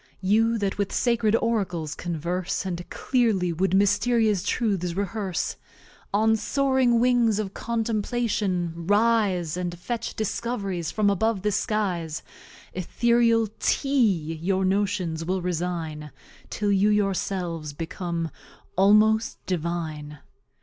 You that with Sacred Oracles converse, And clearly wou'd Mysterious Truths rehearse; On soaring Wings of Contemplation rise, And fetch Discov'ries from above the Skies; Ethereal TEA your Notions will resine, Till you yourselves become almost Divine.